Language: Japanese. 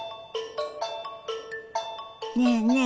ねえねえ